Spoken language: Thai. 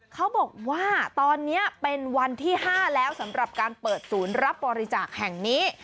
เขาบอกว่าตอนนี้เป็นวันที่๕แล้วสำหรับการเปิดศูนย์รับบริจาคแห่งนี้